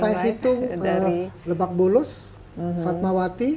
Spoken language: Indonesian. kalau saya hitung lebak bolus fatmawati